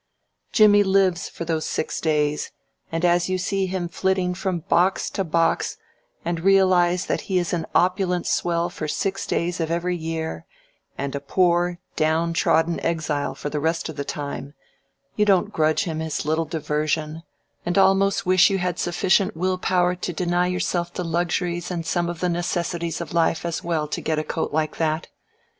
"Jimmie lives for those six days, and as you see him flitting from box to box and realize that he is an opulent swell for six days of every year, and a poor, down trodden exile for the rest of the time, you don't grudge him his little diversion and almost wish you had sufficient will power to deny yourself the luxuries and some of the necessities of life as well to get a coat like that.